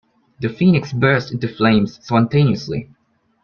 The phoenix burst into flames spontaneously.